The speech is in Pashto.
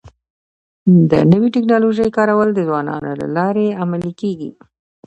د نوي ټکنالوژۍ کارول د ځوانانو له لارې عملي کيږي.